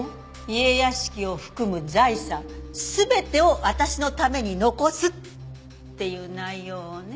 家屋敷を含む財産全てを私のために残すっていう内容をね。